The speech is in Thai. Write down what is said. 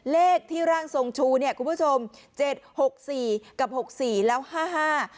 เลขที่ร่างทรงชูเนี่ยคุณผู้ชมเจ็ดหกสี่กับหกสี่แล้วห้าห้า